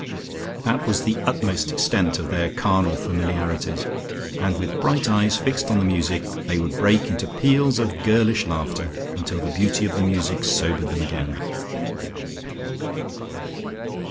That was the utmost extent of their carnal familiarities, and with bright eyes fixed on the music they would break into peals of girlish laughter, until the beauty of the music sobered them again.